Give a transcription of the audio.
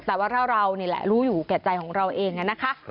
แต่ว่าถ้าเรานี่แหละรู้อยู่แก่ใจของเราเองนะคะ